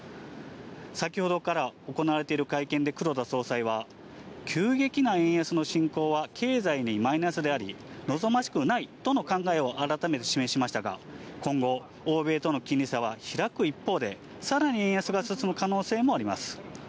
先ほどから行われている会見で黒田総裁は、急激な円安の進行は経済にマイナスであり、望ましくないとの考えを改めて示しましたが、今後、欧米との金利差は開く一方で、さらに円安が進む可能性もあります。